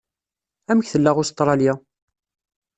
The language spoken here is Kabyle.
Amek tella Ustṛalya?